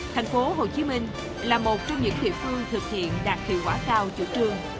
thành phố hồ chí minh là một trong những địa phương thực hiện đạt hiệu quả cao chủ trương